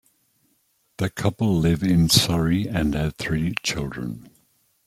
The couple live in Surrey and have three children.